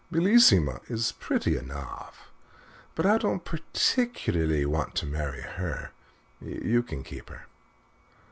"Bellissima is pretty enough, but I don't particularly want to marry her you can keep her."